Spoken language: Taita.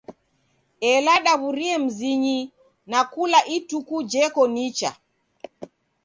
Ela daw'urie mzinyi na kula ituku jeko nicha.